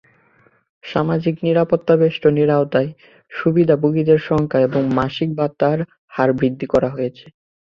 সামাজিক নিরাপত্তাবেষ্টনীর আওতায় সুবিধাভোগীদের সংখ্যা এবং মাসিক ভাতার হার বৃদ্ধি করা হয়েছে।